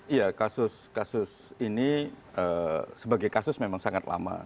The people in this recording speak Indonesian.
iya kasus kasus ini sebagai kasus memang sangat lama